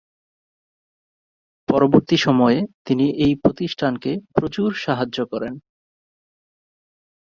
পরবর্তী সময়ে তিনি এই প্রতিষ্ঠানকে প্রচুর সাহায্য করেন।